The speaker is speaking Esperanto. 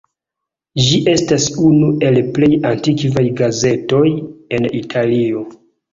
Ĝi estas unu el plej antikvaj gazetoj en Italio.